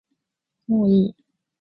もういい